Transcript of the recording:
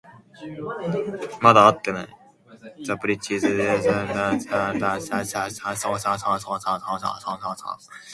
The bridge is designed to withstand typhoons, strong waves and accidental collisions by ships.